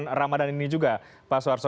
pada bulan ramadhan ini juga pak soeharto